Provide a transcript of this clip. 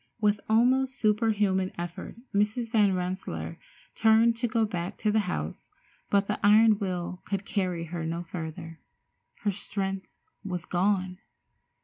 With almost superhuman effort Mrs. Van Rensselaer turned to go back to the house, but the iron will could carry her no further. Her strength was gone.